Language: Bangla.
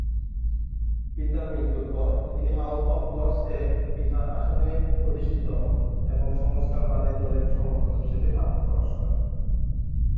পিতার মৃত্যুর পর তিনি হাউজ অফ লর্ডস-এ পিতার আসনে অধিষ্ঠিত হন এবং সংস্কারবাদী দলের সমর্থক হিসেবে আত্মপ্রকাশ করেন।